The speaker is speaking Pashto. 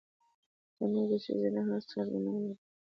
تنور د ښځینه هنر څرګندونه ده